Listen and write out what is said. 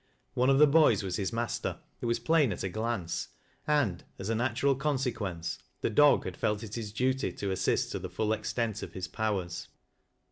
One of the boys was his master, it was plain at a glance, and, as a natural consequence, the dog had felt it his duty to assist to the full extent of his powers.